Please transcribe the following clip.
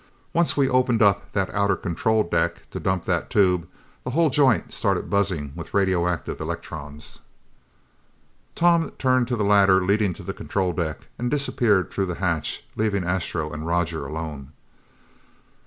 Once we opened up that outer control deck to dump that tube, the whole joint started buzzing with radioactive electrons." Tom turned to the ladder leading to the control deck and disappeared through the hatch, leaving Astro and Roger alone.